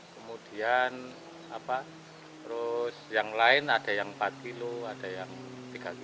kemudian yang lain ada yang empat kilo ada yang tiga kilo